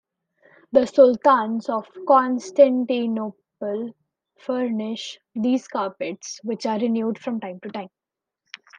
The sultans of Constantinople furnish these carpets, which are renewed from time to time.